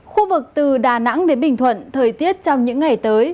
khu vực từ đà nẵng đến bình thuận thời tiết trong những ngày tới